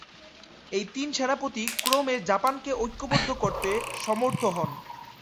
এই তিন সেনাপতি ক্রমে জাপানকে ঐক্যবদ্ধ করতে সমর্থ হন।